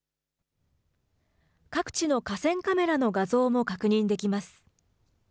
各地の河川カメラの画像も確認できます。